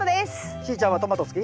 しーちゃんはトマト好き？